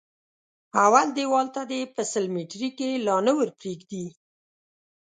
اول دېوال ته دې په سل ميتري کې لا نه ور پرېږدي.